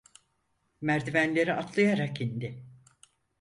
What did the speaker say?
Merdivenleri atlayarak indi.